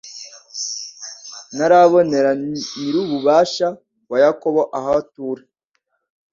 ntarabonera Nyir’ububasha wa Yakobo aho atura